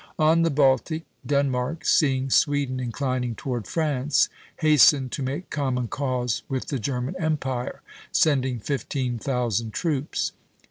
On the Baltic, Denmark, seeing Sweden inclining toward France, hastened to make common cause with the German Empire, sending fifteen thousand troops.